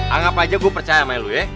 anggap aja gue percaya sama lo ya